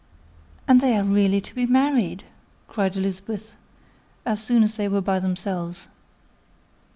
"And they are really to be married!" cried Elizabeth, as soon as they were by themselves.